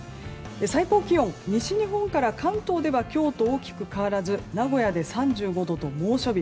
最高気温、西日本から関東では今日と大きく変わらず名古屋で３５度と猛暑日。